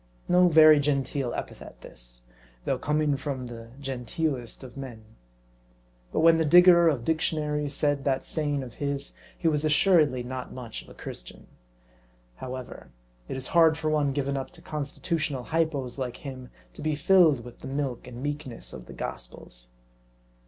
No very genteel epithet this, though coming from the genteelest of men. But when the digger of dic tionaries said that saying of his, he was assuredly not much of a Christian. However, it is hard for one given up to constitutional hypos like him, to be filled with the milk and meekness of the gospels.